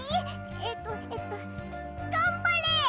えっとえっとがんばれ！